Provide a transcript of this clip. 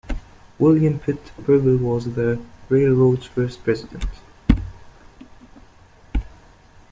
William Pitt Preble was the railroad's first President.